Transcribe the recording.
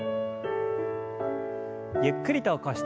ゆっくりと起こして。